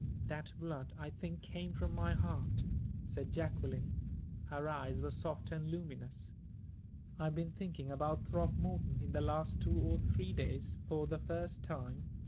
"That blood, I think, came from my heart," said Jacqueline; her eyes were soft and luminous. "I've been thinking about Throckmorton in the last two or three days for the first time.